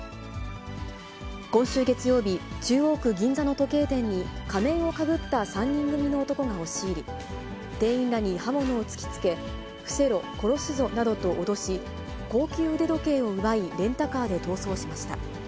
今週月曜日、中央区銀座の時計店に仮面をかぶった３人組の男が押し入り、店員らに刃物を突きつけ、伏せろ、殺すぞなどと脅し、高級腕時計を奪い、レンタカーで逃走しました。